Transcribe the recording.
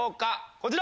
こちら！